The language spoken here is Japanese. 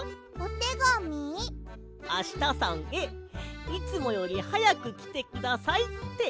「あしたさんへいつもよりはやくきてください」って。